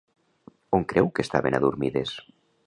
On creu que estaven adormides?